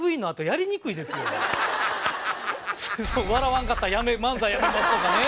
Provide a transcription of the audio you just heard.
「笑わんかったら漫才辞めます」とかね。